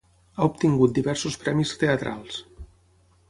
Ha obtingut diversos premis teatrals.